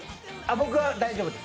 僕は大丈夫です。